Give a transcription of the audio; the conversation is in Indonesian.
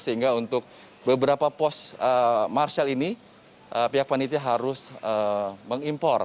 sehingga untuk beberapa pos martial ini pihak panitia harus mengimpor